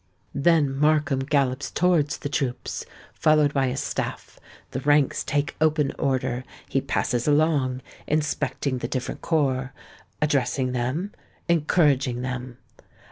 Then Markham gallops towards the troops, followed by his staff; the ranks take open order; he passes along, inspecting the different corps,—addressing them—encouraging them.